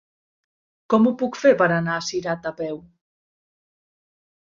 Com ho puc fer per anar a Cirat a peu?